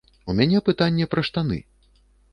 У мяне пытанне пра штаны.